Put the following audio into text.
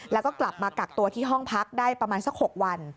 แล้วก็กลับมากักตัวที่ห้องพักได้ประมาณสัก๖วัน